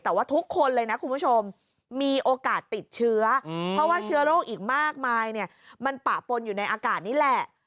แต่ว่าทุกคนเลยนะคุณผู้ชมมีโอกาสติดเชื้อเพราะว่าเชื้อโรคอีกมากมายเนี่ยมันปะปนอยู่ในอากาศนี่แหละ